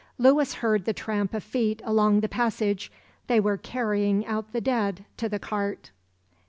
Lewis heard the tramp of feet along the passage; they were carrying out the dead to the cart.